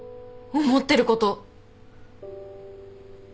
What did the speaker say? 思ってること。